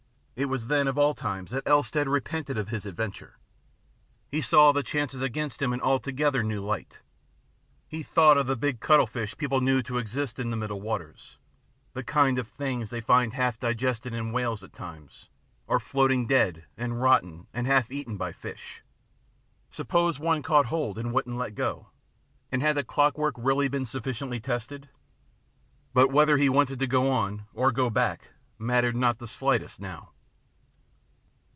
It was then of all times that Elstead repented of his adventure. He saw the chances against him in an altogether new light. He thought of the big cuttle fish people knew to exist in the middle waters, the kind of things they find half digested in whales at times, or floating dead and rotten and half eaten by fish. Suppose one caught hold and wouldn't let go. And had the clockwork really been sufficiently tested ? But whether he wanted to go on or to go back mattered not the slightest now.